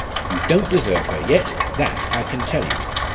You don't deserve her yet, that I can tell you.